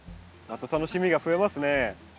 また楽しみがふえますね。